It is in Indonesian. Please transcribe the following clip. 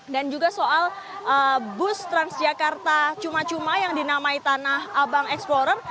dan juga soal bus transjakarta cuma cuma yang dinamai tanah abang explorer